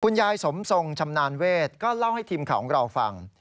ยายสมทรงชำนาญเวทก็เล่าให้ทีมข่าวของเราฟัง